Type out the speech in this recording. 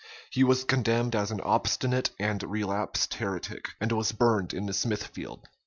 He was condemned as an obstinate and relapsed heretic, and was burned in Smithfîeld.